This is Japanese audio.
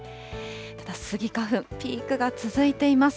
ただスギ花粉、ピークが続いています。